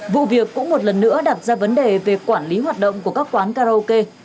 vụ việc cũng một lần nữa đặt ra vấn đề về quản lý hoạt động của các quán karaoke